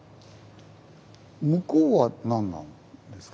向こうは何なんですか？